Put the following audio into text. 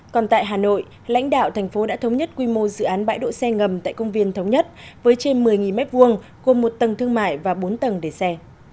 còn tại hà nội lãnh đạo thành phố đã thống nhất quy mô dự án bãi đỗ xe ngầm tại công viên thống nhất với trên một mươi m hai gồm một tầng thương mại và bốn tầng để xe